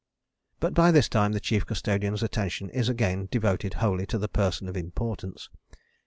But by this time the Chief Custodian's attention is again devoted wholly to the Person of Importance.